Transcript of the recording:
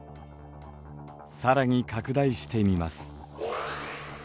更に拡大してみます。